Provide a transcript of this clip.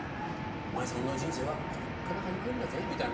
お前さんの人生はこれっから始まるんだぜ」みたいな。